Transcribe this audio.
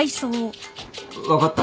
分かった。